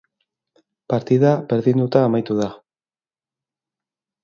Partida berdinduta amaitu da.